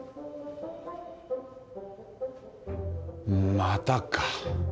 またか